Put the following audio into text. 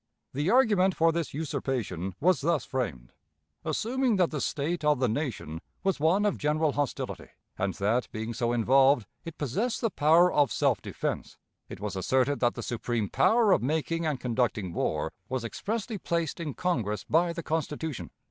The argument for this usurpation was thus framed: Assuming that the state of the "nation" was one of general hostility, and that, being so involved, it possessed the power of self defense, it was asserted that the supreme power of making and conducting war was expressly placed in Congress by the Constitution.